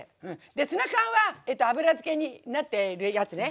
でツナ缶は油漬けになってるやつね。